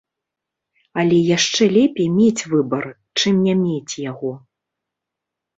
Але яшчэ лепей мець выбар, чым не мець яго.